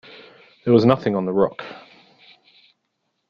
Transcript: There was nothing on the rock.